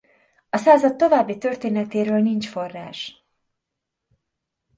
A század további történetéről nincs forrás.